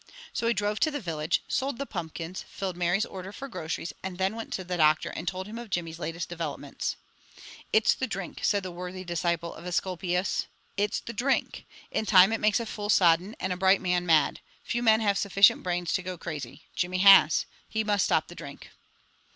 So he drove to the village, sold the pumpkins, filled Mary's order for groceries, and then went to the doctor, and told him of Jimmy's latest developments. "It is the drink," said that worthy disciple of Esculapius. "It's the drink! In time it makes a fool sodden and a bright man mad. Few men have sufficient brains to go crazy. Jimmy has. He must stop the drink."